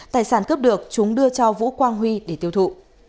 tài sản cướp được chúng đưa cho vũ quang huy để tiêu thụ